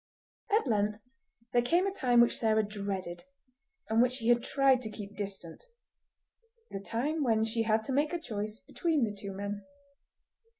At length there came a time which Sarah dreaded, and which she had tried to keep distant—the time when she had to make her choice between the two men.